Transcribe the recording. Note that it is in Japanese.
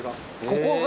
ここが？